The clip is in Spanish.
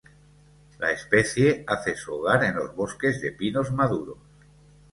La especie hace su hogar en los bosques de pinos maduros.